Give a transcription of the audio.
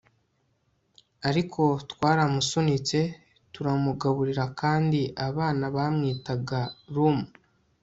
Ariko twaramusunitse turamugaburira kandi abana bamwitaga Rum